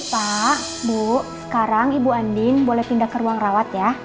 pak bu sekarang ibu andin boleh pindah ke ruang rawat ya